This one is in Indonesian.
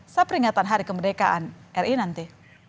seperingatan hari kemerdekaan ri nanti